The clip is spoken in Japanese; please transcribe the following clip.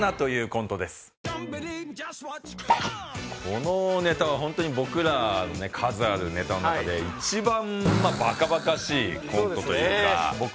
このネタはホントに僕らの数あるネタの中で一番バカバカしいコントというかそうですね